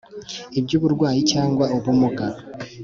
ibyuburwayi cyangwa ubumuga,